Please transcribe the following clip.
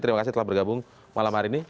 terima kasih telah bergabung malam hari ini